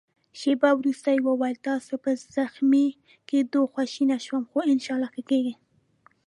شېبه وروسته يې وویل: ستاسي په زخمي کېدو خواشینی شوم، خو انشاالله ښه کېږې.